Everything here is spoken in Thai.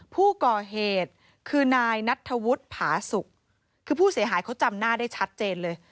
ผู้ก่อเหตุคือนายนัทธวุฒิผาสุกคือผู้เสียหายเขาจำหน้าได้ชัดเจนเลย